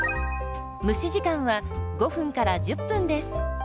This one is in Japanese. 蒸し時間は５１０分です。